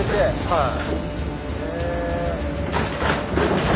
はい。